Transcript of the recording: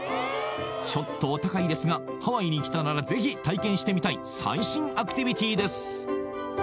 ちょっとお高いですがハワイに来たなら是非体験してみたい最新アクティビティです